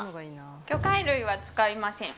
魚介類は使いません。